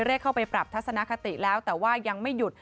เรียกเข้าไปปรับทัศนคติแล้วแต่ว่ายังไม่หยุด